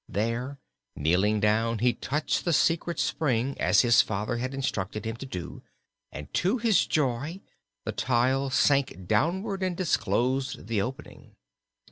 There, kneeling down, he touched the secret spring as his father had instructed him to do and to his joy the tile sank downward and disclosed the opening.